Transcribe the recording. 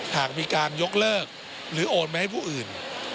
หากมีการยกเลิกหรือโอนไปให้ผู้อื่น